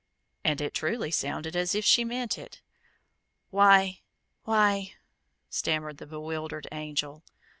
And it truly sounded as if she meant it. "Why, why " stammered the bewildered Angel.